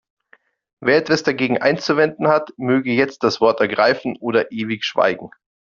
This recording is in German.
Wer etwas dagegen einzuwenden hat, möge jetzt das Wort ergreifen oder ewig schweigen.